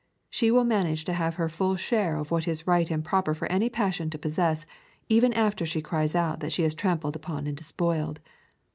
She will manage to have her full share of what is right and proper for any passion to possess even after she cries out that she is trampled upon and despoiled.